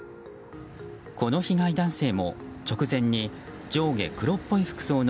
この被害男性も直前に上下黒っぽい服装の